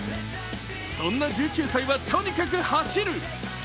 そんな１９歳はとにかく走る。